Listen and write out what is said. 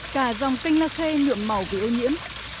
cả dòng canh la khê nhuộm màu vì ô nhiễm